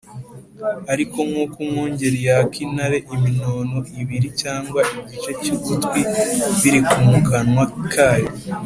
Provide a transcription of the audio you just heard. ariko nk’uko umwungeri yaka intare iminono ibiri cyangwa igice cy’ugutwi biri mu kanwa kayo